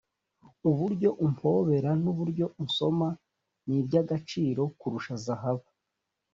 uburyo umpobera n’uburyo unsoma ni iby’agaciro kurusha zahabu